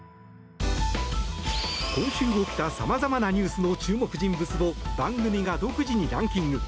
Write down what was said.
今週起きた様々なニュースの注目人物を番組が独自にランキング。